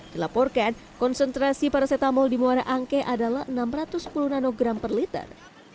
dilaporkan konsentrasi paracetamol di muara angke adalah enam ratus sepuluh nanogram per liter